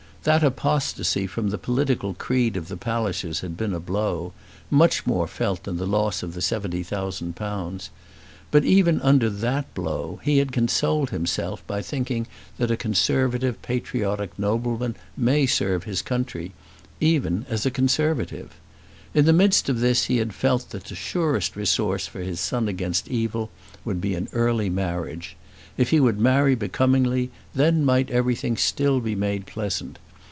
That apostasy from the political creed of the Pallisers had been a blow, much more felt than the loss of the seventy thousand pounds; but even under that blow he had consoled himself by thinking that a Conservative patriotic nobleman may serve his country, even as a Conservative. In the midst of this he had felt that the surest resource for his son against evil would be in an early marriage. If he would marry becomingly, then might everything still be made pleasant.